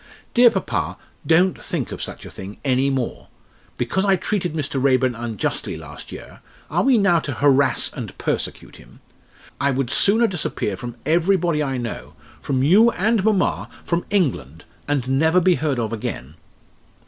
Dear papa, don't think of such a thing any more. Because I treated Mr. Raeburn unjustly last year, are we now to harass and persecute him? I would sooner disappear from everybody I know from you and mamma, from England and never be heard of again."